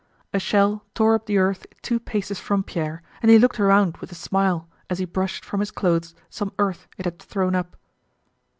A shell tore up the earth two paces from Pierre and he looked around with a smile as he brushed from his clothes some earth it had thrown up.